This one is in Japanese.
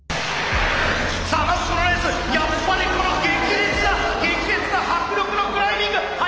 さあまずこのレースやっぱりこの激烈な激烈な迫力のクライミング。